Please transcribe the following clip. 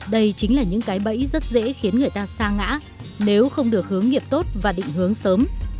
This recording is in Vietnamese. đây chính là những cái bẫy rất dễ khiến người ta xa ngã nếu không được hướng nghiệp tốt và định hướng sớm